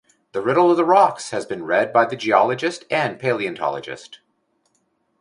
The riddle of the rocks has been read by the geologist and paleontologist.